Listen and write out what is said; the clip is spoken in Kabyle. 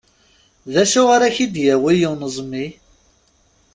D acu ara k-d-yawi uneẓmi?